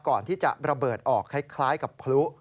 ก่อนที่จะระเบิดออกคล้ายกับพลุ